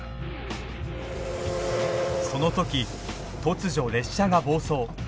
その時突如列車が暴走。